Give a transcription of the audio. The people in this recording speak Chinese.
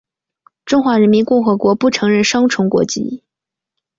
中华人民共和国不承认双重国籍。